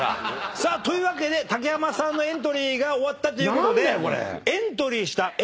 さあというわけで竹山さんのエントリーが終わったということで。